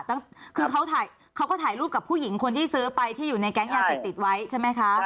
หรือก็ถ่ายรูปกับผู้หญิงคนที่ซื้อไปแก๊งยาศิกษ์ติดไว้ใช่ไหมคะ